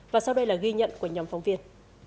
và sau đây là ghi nhận của nhóm phóng viên